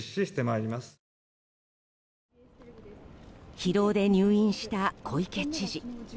疲労で入院した小池知事。